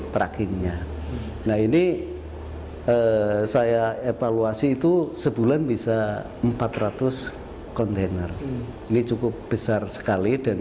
trackingnya nah ini saya evaluasi itu sebulan bisa empat ratus kontainer ini cukup besar sekali dan